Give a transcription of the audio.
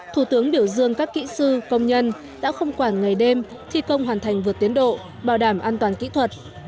thủ tướng biểu dương các kỹ sư công nhân đã không quản ngày đêm thi công hoàn thành vượt tiến độ bảo đảm an toàn kỹ thuật